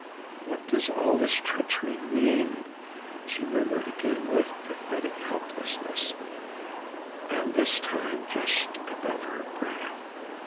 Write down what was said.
"What does all this treachery mean?" she murmured again with pathetic helplessness, and this time just above her breath.